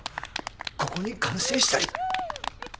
ここに完成したり。